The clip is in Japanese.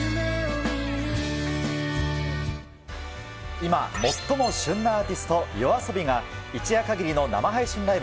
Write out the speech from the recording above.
今、最も旬なアーティスト、ＹＯＡＳＯＢＩが、一夜限りの生配信ライブ。